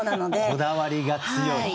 こだわりが強い。